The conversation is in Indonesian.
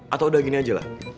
atau udah gini ajalah